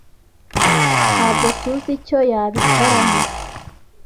Ntabwo tuzi icyo yabikoranye.